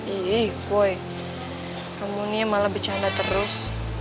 ih boy kamu nih malah bercanda terus